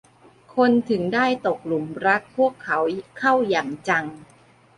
คนถึงได้ตกหลุมรักพวกเขาเข้าอย่างจัง